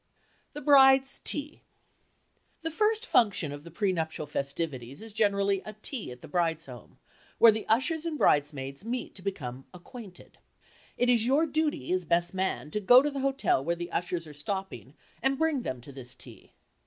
THE BRIDE'S TEA The first function of the pre nuptial festivities is generally a tea at the bride's home, where the ushers and bridesmaids meet to become "acquainted." It is your duty, as best man, to go to the hotel where the ushers are stopping and bring them to this tea.